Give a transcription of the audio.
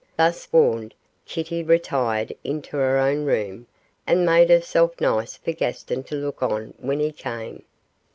Thus warned, Kitty retired into her own room and made herself nice for Gaston to look on when he came.